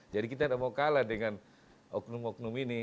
jadi kita tidak mau kalah dengan oknum oknum ini